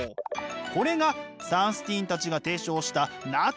これがサンスティーンたちが提唱したナッジなのです。